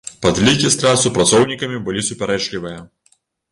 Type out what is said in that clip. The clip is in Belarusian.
Падлікі страт супраціўнікамі былі супярэчлівыя.